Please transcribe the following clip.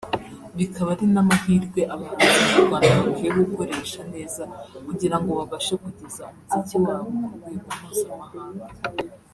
bikaba ari n’amahirwe abahanzi nyarwanda bakwiye gukoresha neza kugirango babashe kugeza umuziki wabo ku rwego mpuzamahanga